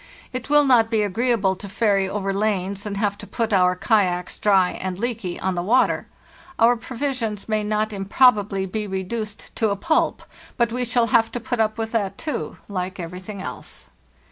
It will not be agreeable to ferry over lanes and have to put our kayaks dry and leaky on the water. Our provisions may not improbably be reduced to a pulp; but we shall have to put up with that, too, like everything else.